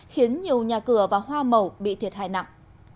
khiến nhiều nhà cửa và hoa màu bị thiệt hại nặng